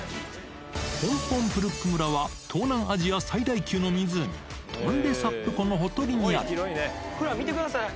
コンポン・プルック村は、東南アジア最大級の湖、トンレサップ湖ほら、見てください。